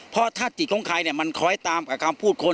เพราะถ้าจิตของใครเนี่ยมันคอยตามกับคำพูดคน